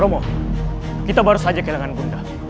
romo kita baru saja kehilangan bunda